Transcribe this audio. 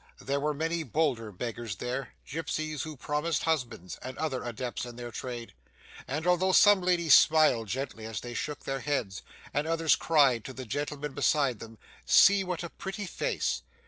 there were many bolder beggars there, gipsies who promised husbands, and other adepts in their trade, and although some ladies smiled gently as they shook their heads, and others cried to the gentlemen beside them 'See, what a pretty face!